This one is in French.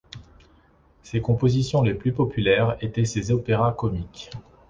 Ses compositions les plus populaires étaient ses opéras comiques.